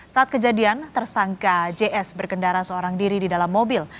saat kejadian tersangka js berkendara seorang diri di dalam mobil